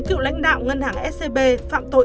cựu lãnh đạo ngân hàng scb phạm tội